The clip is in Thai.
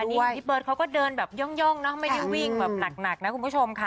นี่เห็นพี่เบิร์ตเขาก็เดินแบบย่องนะไม่ได้วิ่งแบบหนักนะคุณผู้ชมค่ะ